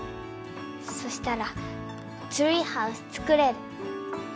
そしたらツリーハウス作れる。